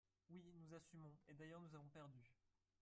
Oui, nous assumons – et d’ailleurs nous avons perdu